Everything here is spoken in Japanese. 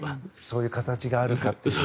そういう形があると。